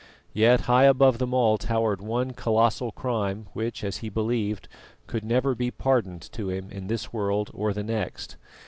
Yet high above them all towered one colossal crime which, as he believed, could never be pardoned to him in this world or the next.